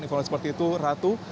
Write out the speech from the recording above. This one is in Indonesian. informasi seperti itu ratu